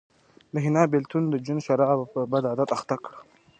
د حنا بېلتون جون د شرابو په بد عادت اخته کړ